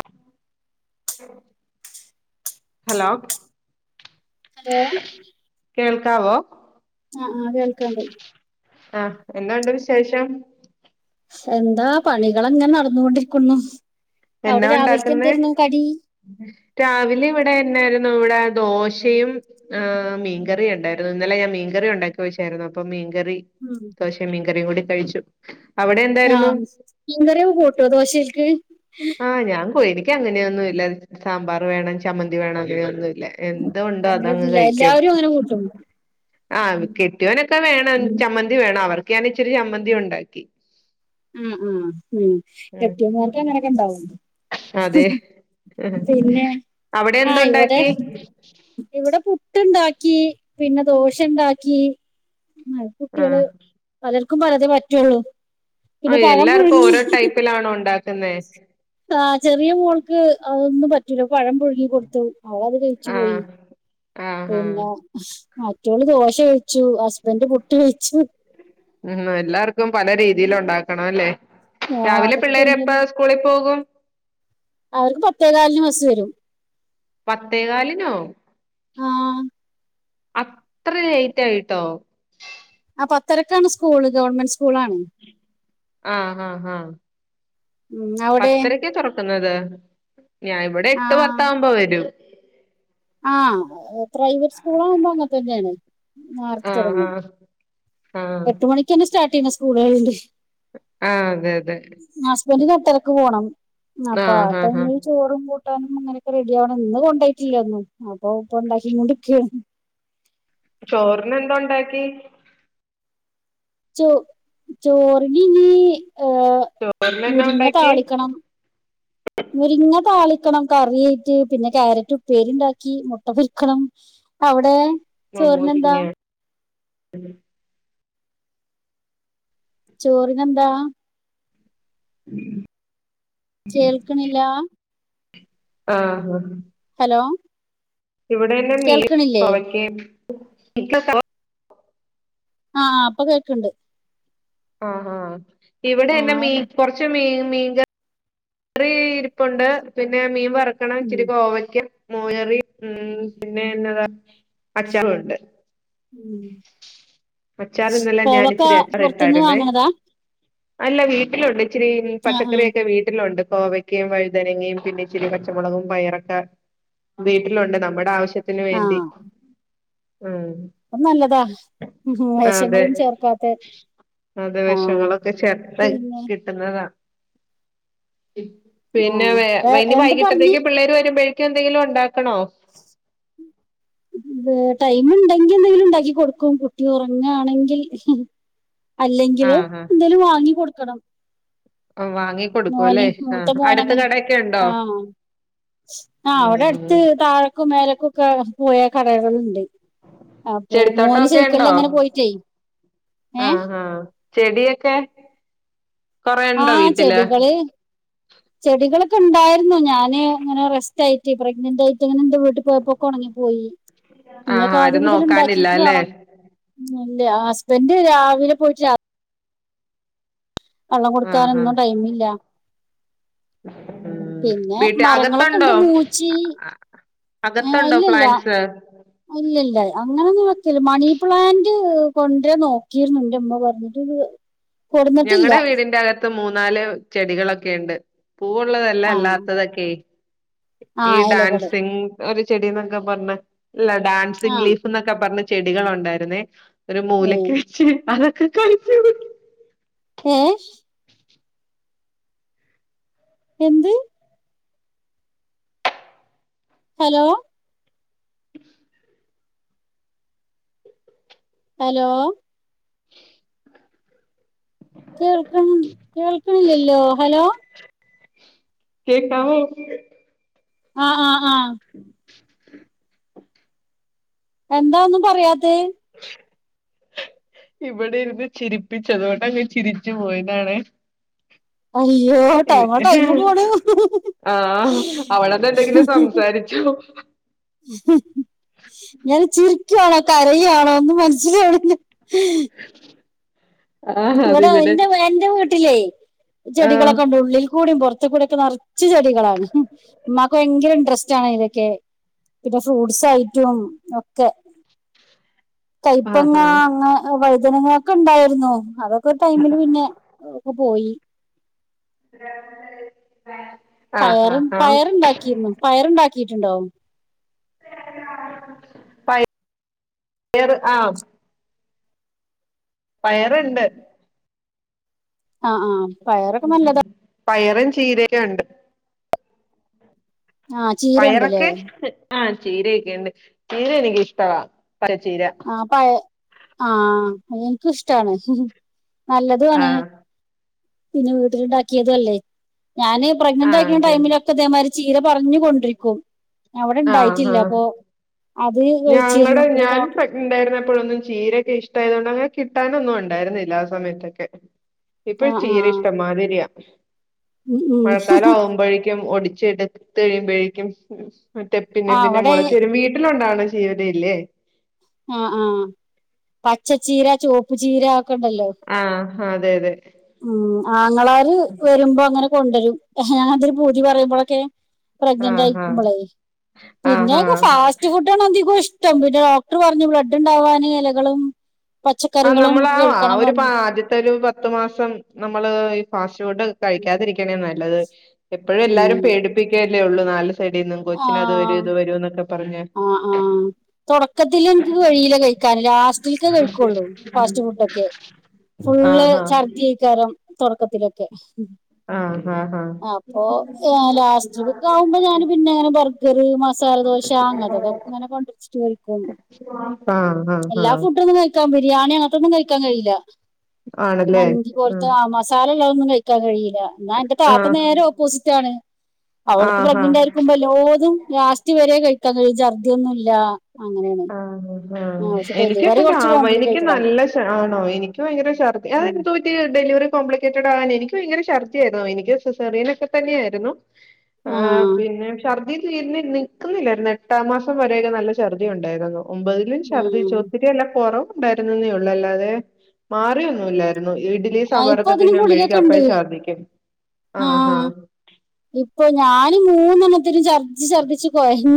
[inaudible] Hello hello കേൾക്കാവോ ആഹ് ആഹ് കേൾക്കാണ്ട് ആഹ് എന്തോണ്ട് വിശേഷം എന്താ പണികൾ അങ്ങനെ നടന്നോണ്ടിരിക്കുന്നു എന്നാ ഉണ്ടാക്കുന്നെ രാവിലെ ഇവിടെ എന്നായിരുന്നു ഇവിടെ ദോശയും ആഹ് മീൻകറി ഉണ്ടായിരുന്നു ഇന്നലെ ഞാൻ മീൻകറി ഉണ്ടാക്കി വെച്ചായിരുന്നു അപ്പം മി മീൻകറി ദോശേം മീൻ കറിയും കൂട്ടി കഴിച്ചു അവിടെ എന്തായിരുന്നു ആഹ് മീൻ കറി കൂട്ടോ ദോശക്ക് ആഹ് ഞാൻ ഓഹ് എനിക്ക് അങ്ങനെയൊന്നും ഇല്ല സാമ്പാർ വേണം ചമ്മന്തി വേണം അങ്ങനെയൊന്നു ഇല്ല എന്ത് ഉണ്ടോ അതങ്ങ് അങ്ങനൊന്നുമില്ല കഴിക്കും എല്ലാവരും അങ്ങനെ കൂട്ടും ആഹ് കെട്ടിയോൻ ഒക്കെ വേണം ചമ്മന്തി വേണം അവർ [unintelligible] ഇച്ചിരി ചമ്മന്തി ഉണ്ടാക്കി ആഹ് ആഹ് ഉം ഉം കെട്ടിയോമാർക്ക് അങ്ങനെയൊക്കെ ഉണ്ടാവും അതെ പിന്നെ അവിടെ ആഹ് ഇവിടെ എന്തുണ്ടാക്കി ഇവിടെ പു പുട്ടുണ്ടാക്കി പിന്നെ ദോശ ഉണ്ടാക്കി ആഹ് കുട്ടികൾ ആഹ് പലർ ക്കു പലതെ പറ്റുള്ളൂ ആഹ് എല്ലാർക്കും ഓരോ ടൈപ്പിലാണോ ഉണ്ടാ ആഹ് ചെറിയ മോൾക്ക് അതൊന്നും പറ്റില്ലോ പഴം പുഴുങ്ങി കൊടുത്തു അവൾ അത് കഴിച്ചു പോയി ആഹ് ആഹ് ആഹ് പിന്നെ മറ്റോൾ ദോശ കഴിച്ചു ഹസ്ബൻഡ് പുട്ട് കഴിച്ചു ഉം എല്ലാർക്കും പല രീതിയില് ഉണ്ടാക്കണം അല്ലേ ആ രാവിലെ അതൊക്കെ പിള്ളേര് എപ്പ കഴിഞ്ഞാല് സ്കൂളിൽ പോകും അവർക്ക് പത്തേ കാലിന് ബസ് വരും പത്തേകാലിനോ ആഹ് അത്ര ലേറ്റ് ആയിട്ടോ ആ പത്തരക്കാണ് സ്കൂള് ഗവണ്മെന്റ് സ്കൂളാണ് ആ ആഹ ആഹ ഉം അവിടെ ക്കുന്നത് ഞാൻ ഇവിടെ ആ എട്ട് പത്താവുമ്പോ വരൂ ആ പ്രൈവറ്റ് സ്കൂളാകുമ്പോ അങ്ങനെ തന്നെയാണ് നേരെത്തെ ആഹ് തുടങ്ങ ആഹ് ആഹ് എട്ട് മണിക്ക്ന്നെ സ്റ്റാർ സ്കൂളുണ്ട് ആഹ് അതെ അതെ ഹസ്ബൻഡ് ന് എട്ടരക്ക് പോണം അപ്പൊ ആ ആഹ് ആഹ് ആഹ് ടൈമിൽ ചോറും കൂ കൂട്ടാനും അങ്ങനൊക്കെ റെഡിയാവണം ഇന്ന് കൊണ്ടട്ടില്ല ഒന്നും അപ്പൊ ഇപ്പ ഉണ്ടാക്കി കൊണ്ടിക്കെനി ചോറിന് എന്താ ഉണ്ടാക്കി ചോ ചോർന് ന്നു ഏഹ ചോറിന് എന്നാ മുരിങ്ങ ഉണ്ടാക്കിയേ താളിക്കണം മുരിങ്ങ താളി ക്കണം കറിയായിട്ട് പിന്നെ ക്യാരറ്റ് ഉപ്പേരി ഉണ്ടാക്കി മുട്ട പൊരിക്കണം അവിടെ ആ ചോറിനെന്താ മുരിങ്ങ ഉം ചോറ് നെന്താ ഉം [inaudible] കേൾക്കണില്ല ആഹ ആഹ ഹലോ ഇവിടെ ഇന്ന് മീ കേൾക്കണില്ലേ പവയ്ക്കയും ഇ [unintelligible] ആഹ അപ്പൊ കേക്കണ്ട് ആഹ് ആഹ ഇവിടെ ആ ഇന്ന് മീ കുറച്ച് മീ മീൻ കറി ഇരിപ്പുണ്ട് പിന്നെ മീൻ വറുത്ത ഉം വറക്കണംച്ചിരി കോവയ്ക്കാം മോര് കറി ഉം പിന്നെന്നതാ അചാറുണ്ട് ഉം അച്ചാർ ന്നലെ ഞാൻ കോവക്ക ഇച്ചിരി അച്ചാർ പുറത്തുന്ന് ഇട്ടായിരുന്നേ വാങ്ങണതാ അല്ല വീട്ടിലുണ്ട് ഇച്ചിരി ആ ആ പച്ചക്കറിയൊക്കെ വീട്ടിലുണ്ട് കോവക്കയും വഴുതനങ്ങയും പിന്നെ ഇച്ചിരി പച്ചമുളകും പയറൊക്കെ വീട്ടിലുണ്ട് നമ്മുടെ ആവശ്യ ത്തിന് വേണ്ടി ഉം അയ് നല്ലതാ അതെ, വേഷങ്ങളൊന്നും ചേർക്കാത്ത അതെ ആ വെഷങ്ങളൊക്കെ ചേർത്ത് പിന്നെ കിട്ട്ന്നതാ. ആ പിന്നെ വെ വേ വൈനി എന്ത് വൈകിട്ടത്തേക്ക് പിള്ളേര് വരുമ്പഴ് ക്കെന്തെങ്കിലും ഉണ്ടാ വേ ടൈം ഇണ്ട് ങ്കി എന്തെങ്കിലും ഇണ്ടാക്കി കൊടുക്കും കുട്ടി ഉറങ്ങാണെങ്കിൽ അല്ലെങ്കില് ആഹ് ന്തേലും വാങ്ങികൊട് ക്കണം ആഹ് വാങ്ങി കൊടുക്കും മോന് അല്ലേ മൂത്ത ആഹ് മോന് അടുത്ത് അങ്ങനെ കടയൊക്കെ ഉണ്ടോ ആഹ് ആ അവിടെ ഉം അട്ത്ത് താഴക്കും മേലക്കും ക്കെ പോയാ കടകള്ണ്ട്. അപ്പൊ മോന് ചെടിത്തോട്ടൊക്കെ സൈക്കിളിൽ ഉണ്ടോ അങ്ങനെ പോയിട്ടേയ് ഏഹ് ചെടിയെക്കെ കൊറെ ഇണ്ടോ ആഹ് വീട്ടില് ചെടികള് ചെടികളൊക്കെ ഇണ്ടായിരുന്നു ഞാന് ഇങ്ങനെ റെസ്റ്റായിട്ട് പ്രഗ്നനാന്റ് ആയി ട്ട്ങ്ങനെ ഇന്റെ വീട്ട് പോയപ്പൊക്കെ ഒണങ്ങിപ്പോയി ആഹ് ഇഞ്ഞൊക്കെ ആദ്യം ആരും മുതല് നോക്കാനില്ല ഇണ്ടാക്കീട്ട് അല്ലേ വാണം. ഉം ഇല്ല്യ ഹസ്ബന്റ് രാവിലെ പോയിട്ട് രാ വള്ളം ആഹ് ആഹ് കൊട്ക്കാനൊന്നും ടൈമില്ല. [inaudible] പിന്നെ വീട്ടി മരങ്ങളൊക്കെ ഇണ്ട് അകത്തുണ്ടോ മൂച്ചി ഏ അകത്തുണ്ടോ ഇല്ലല്ല പ്ലാന്റ്സ് ഇല്ലല്ല അങ്ങനെ നോക്കല് മണിപ്ലാന്റ് കൊണ്ടരോ നോക്കിരുന്നു ഇന്റെ ഉമ്മ പറഞ്ഞിട്ട് കൊടുന്നിട്ടില്ല ഞങ്ങളുടെ വീടിന്റെ അക ത്ത് മൂന്നാല് ചെടികളൊക്കെ ഉണ്ട് പൂവൂള്ളതല്ല ആഹ് അല്ലാത്തതൊക്കെ [inaudible] ഈ ആഹ് ഇലകള് ഡാൻസിങ്ങും ഒരു ചെടീന്നൊക്കെ പറഞ്ഞ - ഇല്ല ഡാൻസ് ആഹ് ഇംഗ്ലീഷ്ന്നൊക്കെ പറഞ്ഞ് ചെടികൾ ഉണ്ടായിരുന്നേ ഒരു ഏഹ് മൂലക്കെ വെച്ച് [unintelligible] [unintelligible] [inaudible] ഏ [inaudible] എന്ത് ഹലോ [inaudible] ഹലോ [inaudible] [unintelligible] കേൾക്ക കേൾക്കണില്ലല്ലോ ഹലോ കേൾക്കാവോ ആഹ് ആഹ് ആഹ് ഉ എന്താ ഒന്നും പറയാത്തെ ഇവിടെ ഇരുന്ന് ചിരിപ്പിച്ചതുകൊണ്ട് അങ്ങ് ചിരിച്ചു പോയതാണ് അയ്യോ ടൈമ് ടൈമ് പോണു ആഹ് അവിടെന്ന് എന്തെങ്കിലും സംസാരിച്ചു ഞാൻ ചിരിക്കയാണോ കരയുവാണോ ഒന്നും മനസ്സിലാവണില്ല [unintelligible] ആഹ് അത് ഇവിടെ എന്റെ എന്റെ വീട്ടിലേ ആഹ് ചെടികളൊക്കെ ഉണ്ട് ഉള്ളിൽ കൂടിയും പുറത്ത് പുറത്ത് കൂടൊക്കെ നിറച്ച് ചെടികളാണ് ഉമ്മാക്ക് ഭയങ്കര ഇൻട്രസ്റ്റ് ആണ് അതിലൊക്കെ പിന്നെ ഫ്രൂട്സ് ഐറ്റോം ഒക്കെ ആഹ് കയ്‌പ്പങ്ങ ആഹ് ഇനങ്ങളൊക്കെ ഉണ്ടായിരുന്നു അത് ഇ ടൈമില് പിന്നെ പോയി [unintelligible] ആഹ് പയർ ആഹ് ആഹ് പയറുണ്ടാക്കിരുന്നു പയറണ്ടാക്കി ക്കിയിട്ടുണ്ടോ പ പയറ് ആഹ് പയറുണ്ട് ആഹ് ആഹ് പയറൊക്കെ നല്ലതാ ചീരയൊക്കെ ഉണ്ട് ആഹ് ചീരയുണ്ടല്ലേ ചീരയക്കെ ഉണ്ട് ചീര എനിക്ക് ഇഷ്ടവാ പച്ചച്ചീര ആഹ് പഴ ആഹ് എനിക്ക് ഇഷ്ടാണ് നല്ലതും ആണ് ആഹ് പിന്നെ വീട്ടിലുണ്ടാക്കിയതുമല്ലെ ഞാന് പ്രഗ്നന്റ് ആഹ് ആയിയിരിക്കണ അത് ടൈമിലൊക്കെ ഇതേമാരി ചീര പറഞ്ഞ കൊണ്ടിരിക്കും അവിടെ ആഹ് ഇണ്ടായിട്ടില്ല ആഹ് അപ്പൊ അത് കഴിച്ചിരുന്നു കൂടെ ഡോക് ഇണ്ടായിരുന്നപ്പഴൊന്നും ചീരൊക്കെ ഇഷ്ടായതൊണ്ട് അങ്ങനെ കിട്ടാനൊന്നു ഉണ്ടായിരുന്നില്ല ആ സമയത്തൊക്കെ ആ ഇപ്പഴ് ആ ചീര ഇഷ്ടംമാതിരിയാ ഉം ഉം മഴക്കാലാവുമ്പൊഴേക്കും ഒടി ചെട് ത്ത്ഴിയുമ്പൊഴേക്കും മറ്റെ പ്പിന്നെ ആ പിന്നെ അവിടെ മുളച്ചുവരും വീട്ടിലുണ്ടാവ ജീവനില്ലേ ആഹ് ആഹ് പച്ചച്ചീര, ചോപ്പ് ചീര കണ്ടല്ലോ ആഹ് അതെ അതെ ആങ്ങളാര് വരുമ്പോങ്ങനെ കൊണ്ടരും ഞാ അതൊരു പൂതി പറയുമ്പൊഴൊക്കെ പ്രഗ്നന്റ് ആഹ് ആഹ് ആയിരിക്കുമ്പളെ. ആഹ് പിന്നെക് ആഹ് ഫാസ്റ്റ് ഫുഡണതികോഷ് [unintelligible] ക്ടറ് പറഞ്ഞ് ബ്ലഡ് ഇണ്ടാവാന് എലകളും ആ നമ്മളാവാ. ആ ഒരു പാ ആദ്യത്തെ ഒരു പത്തു മാസം നമ്മള് ഈ ഫാസ്റ്റ് ഫുഡ് കഴിക്കാതിരിക്ക്ണേ നല്ലത് എപ്പഴു എല്ലാരും ഉം പേടിപ്പിക്കെ ലേ ഉള്ളൂ നാല് സ് ഡിന്ന് കൊച്ചിന് അത് വരും, ആഹ് ഇത് വരുന്നൊക്കെ ആഹ് ആഹ്. തൊടക്കത്തിലെനിക്ക് കഴീല കഴിക്കാന്. ലാസ്റ്റിൽക്കെ കഴിക്കൊള്ളു ഫാസ്റ്റ് ഫുഡൊക്കെ. ഫുള്ള് ആഹ് ഛർദി അയ്ക്കാരം തൊടക്കത്തിലൊക്കെ ആഹ് ആഹ് അപ്പോ. ഞാ ലാസ്റ്റികൊക്കാവുമ്പോ ഞാന് പിന്നെ ബർഗറ്, മസാല ദോ ആ അങ്ങതൊക് ഇങ്ങനെ കൊണ്ട്രി ചിട്ട് കഴിക്കും. ആഹ് ആഹ് ആഹ് ആഹ് എല്ലാ ആഹ് ഫുടൊന്നും കഴിക്കാം. ബിരിയാണി അങ്ങൻതൊന്നും കഴി ഇക്കാൻ കഴിയില്ല ആണല്ലേ മന്തി പോൽത്തെ. ആ മസാലള്ള തൊന്നും കഴിക്കാൻ. ക്കാൻകഴിയെ ല്ല ന്നാ ന്റെ താത്ത ആഹ് നേരെ ഓപ്പോസിറ്റ് ആണ്. അവൾക്ക് ആഹ് ആഹ് പ്രഗ്നന്റായിരിക്കുമ്പല്ലാതും ലാസ്റ്റ് വരേ കഴി ക്കാൻകഴിയും ജർദിയൊന്നുല്ലാ ആഹ് ആഹ് ഡെലിവറി എനിക്ക്പം കുറച്ച് ആ എനിക്ക് ആ കോംപ്ലിക്കേറ്റഡാ നല്ല ഛർ ആ ആണോ എനിക്ക് ഭയങ്കര ഛർദ്ദി അത് ഉം. എന്ത്‌ പറ്റിയെ ഡെലിവറി കോംപ്ലിക്കേറ്റഡ് ആകാൻ എനിക്ക് ഭയങ്കര ശർദിയായിരുന്നു. എനിക്ക് സിസേറീയനൊക്കെ തന്നെയാരുന്നു ആ ആഹ് പിന്നെ ശർ [unintelligible] നിക്ക്ന്നില്ലായിരുന്നു എട്ടാം മാസം വരെക്കെ നല്ല ശർദി ഉണ്ടായിരുന്നു ഒമ്പതിലും ആ. ഛർദ്ദിച്ച് ഒത്തിരി അല്ല കുറവ് ഉണ്ടായിരുന്നെന്നേ ഉള്ളൂ അല്ലാതെ മാറിയൊന്നുമില്ലായിരുന്നു ഇഡ്ഡലിയും ആ ഇപ്പൊ സാമ്പാറുമൊക്കെ അതിന് തിന്നുമ്പോഴേ ഗുളികയൊക്കെ ഉണ്ട് എനിക്കപ്പഴും ശർദ്ധിക്കും ആ ആഹ് ആഹ് ഇപ്പൊ ഞാന് മൂന്നെണ്ണ ത്തിനും ഛർദിച്ചു ഛർദിച്ചു കൊഴഞ്ഞ്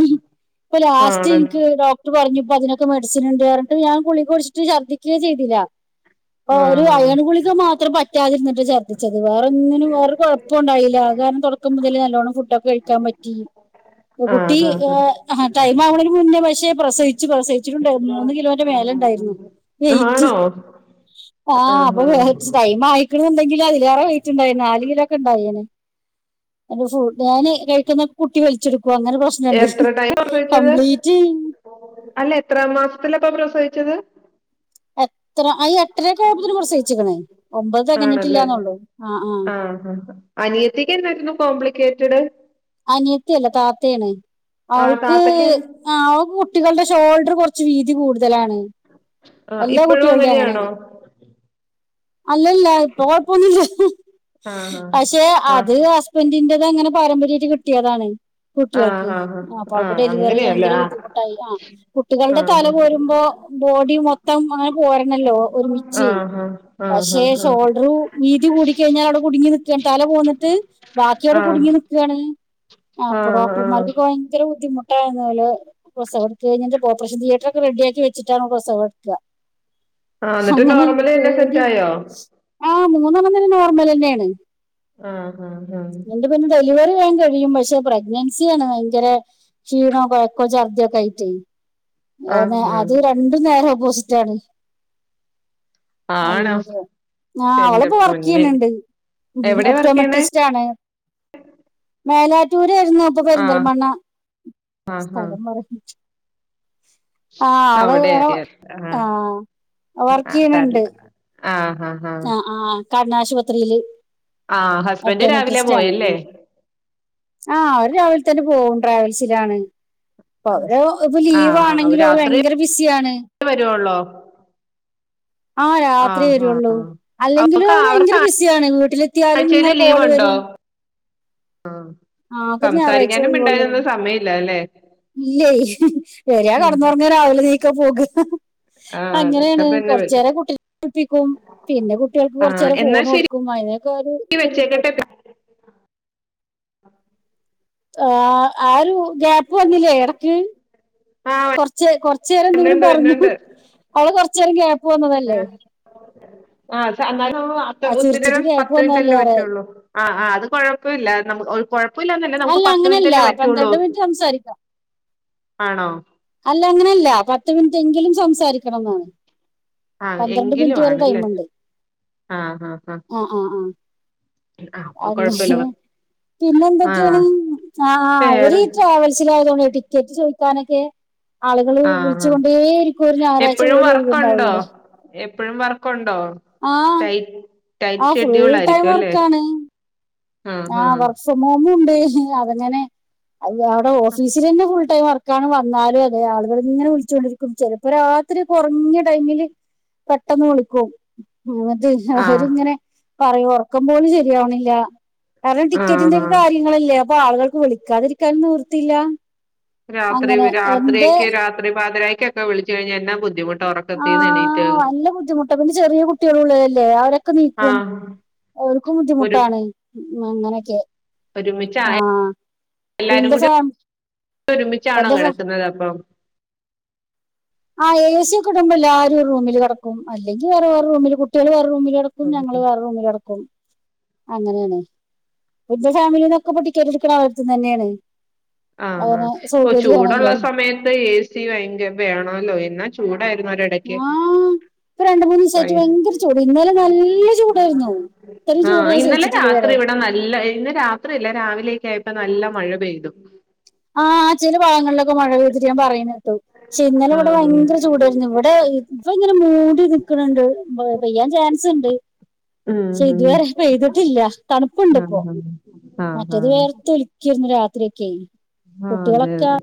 ഇപ്പൊ ആഹ് ലാസ്റ്റ് ആണ എനിക്ക് ഡോക്ടർ പറഞ്ഞു ഇപ്പോ അതിനൊക്കെ മെഡിസി സിന്ണ്ട് പറഞ്ഞിട്ടും ഞാൻ ഗുളിക കഴിച്ചിട്ടും ഛർദിക്കുവേ ചെയ്തില്ല ഒരു ആഹ് അയൺ ഗുളിക മാത്രം പറ്റാതിരുന്നിട്ട് ചർദിച്ചത് വേറൊന്നിനും വേറെ കുഴപ്പം ഉണ്ടായില്ല ആകെ ഒക്കെ മുതൽ നല്ലോണം ഫുഡൊക്കെ കഴിക്കാൻ പറ്റി കുട്ടി ആഹ് ആഹ് ടൈം ആവണേന് മുന്നേ പക്ഷേ പ്രസവി ച്ച് പ്രസവി ട്ടുണ്ട് മൂന്ന് കിലോന്റെ മേലെ ഉണ്ടായിരുന്നു ആഹ് വെയ്റ്റ് ആണോ ആ ആഹ് അപ്പൊ ആഹ് ടൈം ആയി ക്ക്ണ് ണ്ടെങ്കിൽ അതിലേറെ വെയിറ്റ് ഉണ്ടായേനെ നാല് കിലോക്കെ ഉണ്ടായേനെ ഫുഡ് ഞാന് കഴിക്കുന്ന കുട്ടി വലിച്ചെടുക്കും അങ്ങനെ പ്രശ്നമുണ്ട് എത്ര ടൈം പ്രസവിച്ചത് കംപ്ലീറ്റ് അല്ല എത്രാം മാസത്തില അപ്പ പ്രസവിച്ചത് എത്ര ആ എട്ടരയൊക്കെ ആയപ്പോ പ്രസവിച്ചിക്കണേ ഒമ്പത് തികഞ്ഞിട്ടില്ല ആണല്ലേ എന്നുള്ളൂ ആ ആ ആഹ് ആഹ് അനിയത്തി ക്കെന്തായിരുന്നു കോംപ്ലിക്കേ റ്റ് ഡ് അനിയത്തിയല്ല താത്തയാണ് ആഹ് അവൾക്ക് താത്തക്ക് അവൾക്ക് കുട്ടികളുടെ ഷോൾഡർ കൊർ ച്ചി വീതി കൂട് തലാണ് ആഹ് എല്ലാ ഇപ്പോഴും കുട്ടികളുടെയും അങ്ങനെയാണോ അങ്ങനെയാണ് അല്ലല്ല ഇപ്പൊ കുഴപ്പൊന്നില്ല ആഹ് പക്ഷെ അത് ആഹ് ഹസ്ബന്റിന്റെ അതങ്ങനെ പാരമ്പര്യ യിട്ട് കിട്ടിയതാണ് കുട്ടികൾക്ക് ആഹ് ആഹ് ആ അപ്പ ആഹ് അവൾക്ക് ആഹ് ഡെലിവറി അങ്ങനെയല്ലേ ഭയങ്കര ആഹ് ബുദ്ധിമുട്ടായി ആ കുട്ടികളുടെ തല പോരുമ്പോ ബോഡി മൊത്തം അങ്ങനെ പോരണല്ലോ ആഹ് ഒരുമിച്ച് ആഹ് ആഹ് ആഹ് പക്ഷെ ആഹ് ഷോൾഡർ വീതി കൂടിക്കഴിഞ്ഞാൽ അവിടെ കുടുങ്ങി നിക്കയാണ് തല പോന്നിട്ട് ബാക്കിയവിടെ കുടുങ്ങി നിക്കാണ് ആഹ് അപ്പൊ ആഹ് ഡോക്ടർ മാർക്കൊക്കെ ആഹ് ഭയങ്കര ബുദ്ധിമു ട്ടാരുന്നല്ലോ പ്രസവം എടുത്ത് കഴിഞ്ഞെന്റെ ഓപ്പറേഷൻ തിയേറ്ററൊക്കെ റെഡിയാക്കി വച്ചിട്ടാണ് പ്രസവം എടുക്കുക ആ എന്നിട്ട് നോർമൽ തന്നെ സെറ്റായോ ആഹ് മൂന്നെണ്ണം തന്നെ നോർമൽ തന്നെയാണ് ആഹ് ആഹ് ആഹ് എന്റെ പിന്നെ ഡെലിവറി അങ്ങ് കഴിയും പക്ഷെ പ്രഗ്നൻസിയാണ് ഭയങ്കര ക്ഷീണവും കൊഴക്കോം ഛർദിയൊക്കെആയിട്ട് ആഹ് [unintelligible] അത് ആഹ് രണ്ട് നേരം [unintelligible] ആണോ അങ്ങനക്കേ ആഹ് എന്റെ അവളിപ്പോ വർക്ക് പൊന്നെ ചെയ്യണണ്ട് എവിടെയാ വർക്ക് ചെയ്യണേ ഒപ്റ്റോമെട്രിസ്റ്റ് ആണ് മേലാറ്റു റ്റുരായിരുന്നു അപ്പൊ ആഹ് പെരിന്തൽമണ്ണ ആഹ് ആഹ് സ്ഥലം പറയ ആഹ് അവള് അവിടെ വേറെ ആഹ് വർക്ക് ആഹ് ചെയ്യണ് ണ്ട് തരില്ല ആഹ് ആഹ് ഹ കണ്ണ് ആശുപത്രിയില് ഹസ്ബൻഡ് രാവിലെ ഒപ്റ്റോമെട്രിസ്റ്റാണ് പോയല്ലേ ആഹ് ആഹ് അവര് രാവിലെ തന്നെ പോവും ട്രാവൽസിലാണ് അപ്പൊ അവര് ഇപ്പൊ ലീവ് ആഹ് ആഹ് ആണെങ്കിലും അവര് രാത്രി ഭയങ്കര ബിസിയാണ് വരുവൊള്ളോ ആഹ് രാത്രിയെ ആഹ് വരുള്ളൂ ആഹ് അല്ലെങ്കിലും അവക്ക് അവര് അവർക്ക് ഭയങ്കര ബിസിയാണ് വീട്ടില് എത്തിയാലും ആഴ്ചയില് ഇങ്ങനെ ലീവ് കോള് ഉണ്ടോ വരും ആഹ് ആകെ ഒരു ഞായറാഴ്ഛയെ സംസാരിക്കാനും ഒഴിവൊള്ളൂ മിണ്ടാനൊന്നും സമയമില്ല അല്ലേ ഇല്ലേ വരാ കെടന്നുറങ്ങാ രാവിലെ എ [unintelligible] പോക ആഹ് അതൊക്കെ അങ്ങനെയാണ് തന്നെ വരും കൊറച്ചേരം കുട്ടികളെ പ്പിക്കും പിന്നെ കുട്ടികൾക്ക് ആഹ് കൊറച്ചേരം എന്നാ ഫോൺ ശരി കൊടുക്കും അങ്ങനൊക്കെ ഒരു വെച്ചേക്കട്ടെ [unintelligible] ആഹ് ആരു ഗ്യാപ്പ് വന്നില്ലേ എടക്ക് ആഹ് കൊറച്ച് കൊറച്ചു നേരം എന്തെങ്കിലും വരുന്നുണ്ട് പറഞ്ഞു വരുന്നുണ്ട് അവള് കൊറ [unintelligible] പോന്നതല്ലേ ആഹ് [unintelligible] ആഹ്‌ ഒത്തിരി നേരം ചിരിച്ചിട്ട് പത്ത് ഗ്യാപ്പ് മിനിറ്റ്ല്ലേ വന്നതല്ലേ പറ്റുള്ളൂ ആ അത് കൊഴപ്പവില്ല കൊഴപ്പില്ലന്നല്ല നമുക്ക് അല്ല പത്തു അങ്ങനല്ല മിനിറ്റ്ല്ലേ പറ്റുള്ളൂ പന്ത്രണ്ട് മിനിറ്റ് സംസാരിക്കാം ആണോ അല്ല അങ്ങനല്ല പത്ത് മിനിറ്റ് എങ്കിലും സംസാരിക്കണം ന്നാണ് ആഹ് പന്ത്രണ്ട് എങ്കിലും മിനിറ്റ് വരെ ആണല്ലേ ടൈമോണ്ട് ആഹ് ആഹ് ആഹ് ആഹ് അപ്പൊ കൊഴപ്പല്ല അങ്ങനെ പിന്നെ ആഹ് എന്തൊക്കെയാണ് ആഹ് അവര് വേറെ ആഹ് ട്രാവൽസിലായതുകൊണ്ടേ ടി ക്കെറ്റ് ചോയിക്കാനെക്കെ ആളുകള് വിളിച്ചു ആഹ് കൊണ്ടേ ഇരിക്കും ഒരു ഞായറാഴ്ച എപ്പഴും പോലും വർക്കുണ്ടോ ഒഴിവുണ്ടാവൂല്ല എപ്പഴും വർക്കോ ണ്ടോ ടൈ ആ ടൈറ്റ് ഫുൾ ഷെഡ്യൂൾ ടൈം ആയിരിക്കും അല്ലേ വർക്കാണ് ആഹ് വർഷ [unintelligible] [unintelligible] അതെങ്ങനെ അ അവിടെ ഓഫീസിൽ തന്നെ ഫുൾ ടൈം വർക്കാണ് വന്നാലും അതെ ആളുകള് ഇങ്ങനെ വിളിച്ചൊണ്ടിരിക്കും ചെലപ്പോ രാത്രി കുറഞ്ഞ ടൈമില് പെട്ടെന്ന് വിളിക്കും ഉം, മതി ആഹ് അവരിങ്ങനെ. പറയും ഉറക്കം പോലും ശരിയാവ്ണില്ല കാരണം ടിക്കറ്റിന്റെ ആഹ് ആഹ് കാര്യങ്ങളല്ലേ അപ്പൊ ആളുകള് വിളിക്കാതിരിക്കാനും നിവിർത്തിയില്ല. രാത്രി രാത്രിക്ക് രാത്രി പാതിര ഒക്കെ വിളിച്ചു കഴിഞ്ഞാ എന്ന ബുദ്ധമു ആഹ്, നല്ല ബുദ്ധിമുട്ട പിന്നെ ചെറിയ കുട്ട്യാളും ഉള്ളതല്ലേ അവരൊക്കെ നീക്കും ആഹ് ഓൾക്കും ബുദ്ധിമുട്ടാണ്. [unintelligible] ഒരുമിച്ച ആ എല്ലാരും എന്റെ കൂടി ഫാം ഒരുമിച്ചാണോ എന്റെ ഫാ കെടക്കുന്നത് അപ്പം ആഹ് എ സി ഒക്കെ ഇടുമ്പോല്ലാരും ഒരു റൂമില് കെട്ക്കും അല്ലെങ്കിൽ വേറേ റെ റൂമില് കുട്ടികള് വേറെ റൂമില് [unintelligible] ഞങ്ങള് വേറെ റൂമില് കട്ക്കും അങ്ങനേണ് ഇന്റെ ഫാമിലിന്നൊക്കെ ഇപ്പൊ ടിക്കറ്റ് എട്ക്ക്ണ അവർത്തന്ന് തന്നെയാണ് ആഹ് ആ അങ്ങനെ അപ്പൊ സൗകര്യമാണല്ലോ ചൂടുള്ള സമയത്ത് ഏ സി ഭയങ്കര പ്രയാ ആണല്ലോ എന്നാ ചൂട ആഹ് ഇപ്പൊ രണ്ട് മൂന്ന് ദിവസായിട്ട് ഭയങ്കര ചൂട് ഇന്നലെ നല്ല ചൂടായിരുന്നു ഇത്രയും ആ ചൂട് ഞാൻ ഇന്നലെ സഹിച്ചിട്ടില്ല രാത്രി ഇതുവരെ ഇവടെ നല്ല എ ഇന്ന് രാത്രി അല്ല രാവിലെക്കെ ഇപ്പ നല്ല മഴ പെയ്തു ആഹ, ആ ചില ഭാഗങ്ങളില് ഇപ്പൊ മഴ പെയ്തിട്ട് ഞാൻ പറയുന്നു കേട്ടു. പക്ഷെ ഇന്നലെ ഇവടെ ആഹ് ഭയങ്കര ചൂടേർന്നു ഇവിടെ ഇപ്പ ഇങ്ങനെ മൂടി നിക്ക്ണ് ണ്ട് പെയ്യാൻ ചാൻസ്ണ്ട്. ഉം പക്ഷെ ഉം ഇതുവേരെ ചെയ്തിട്ടില്ല ആഹ് തണുപ്പുണ്ട്പ്പോ ആഹ് ആഹ് മറ്റേത് ആഹ് വേയർത്ത് ഒലിക്കേനി രാത് ത്രക്ക് ആഹ് അതെ അതെ